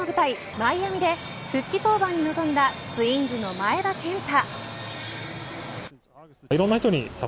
マイアミで復帰登板に臨んだツインズの前田健太。